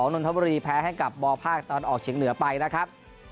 นนทบุรีแพ้ให้กับบภาคตะวันออกเฉียงเหนือไปนะครับ